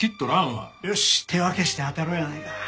よし手分けしてあたろうやないか。